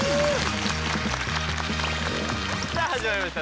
さあ始まりました